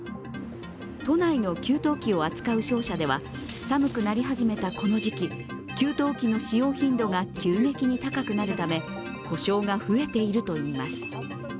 都内の給湯器を扱う商社では寒くなり始めたこの時期給湯器の使用頻度が急激に高くなるため故障が増えているといいます。